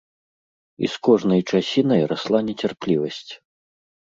І з кожнай часінай расла нецярплівасць.